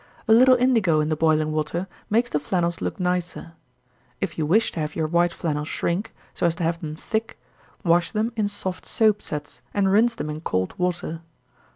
A little indigo in the boiling water makes the flannels look nicer. If you wish to have your white flannels shrink, so as to have them thick, wash them in soft soap suds, and rinse them in cold water.